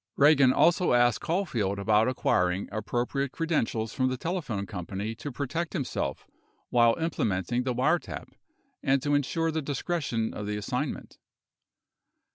20 21 Hearings 9691. 112 Eagan also asked Caulfield about acquiring appropriate credentials from the telephone company to protect himself while implementing the wiretap and to insure the discretion of the assignment.